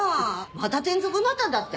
また転属になったんだって？